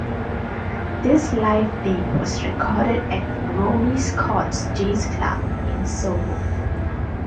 This live date was recorded at Ronnie Scott's Jazz Club in Soho.